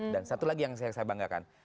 dan satu lagi yang saya banggakan